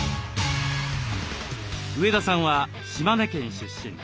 上田さんは島根県出身。